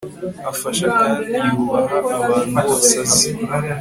Afasha kandi yubaha abantu bose azi